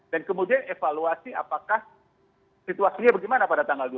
dan kemudian evaluasi apakah situasinya bagaimana pada tanggal dua puluh